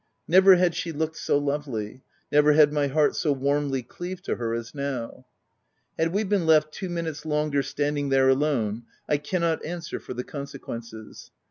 Never had she looked so lovely : never had my 128 THE TENANT heart so warmly cleaved to her as now. Had we been left two minutes longer, standing there alone, I cannot answer for the consequences.